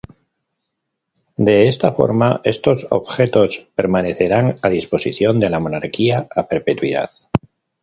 De esta forma estos objetos permanecerán a disposición de la monarquía a perpetuidad.